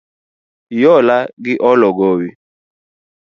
Hiola gi olo gowi.